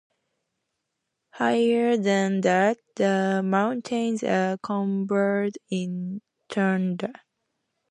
Higher than that, the mountains are covered in tundra.